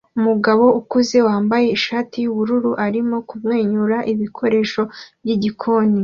Umugore ukuze wambaye ishati yubururu arimo kumwenyura ibikoresho byigikoni